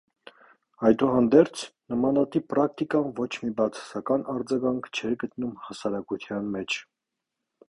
Այդուհանդերձ, նմանատիպ պրակտիկան ոչ մի բացասական արձագանք չէր գտնում հասարակության մեջ։